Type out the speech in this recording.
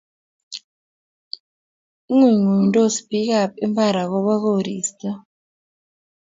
Ngunyngunydos biikap imbar agoba koristo